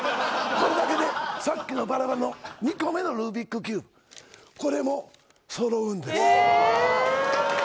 これだけで、さっきのばらばらの２個目のルービックキューブ、これもそろうんです。